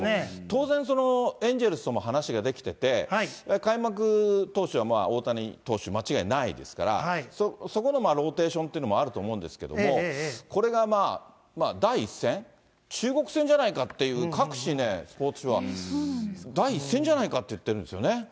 当然、エンゼルスとも話ができてて、開幕投手は大谷投手、間違いないですから、そことのローテーションっていうのもあると思うんですけども、これが第１戦、中国戦じゃないかっていう、各紙ね、スポーツ紙は第１戦じゃないかっていってるんですよね。